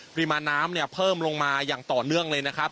ปริมาณน้ำเนี่ยเพิ่มลงมาอย่างต่อเนื่องเลยนะครับ